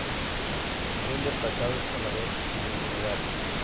Fue un destacado escalador y gregario.